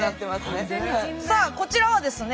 さあこちらはですね